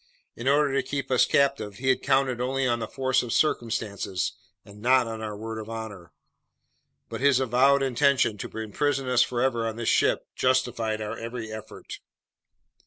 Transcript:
In order to keep us captive, he had counted only on the force of circumstances and not on our word of honor. But his avowed intention to imprison us forever on his ship justified our every effort.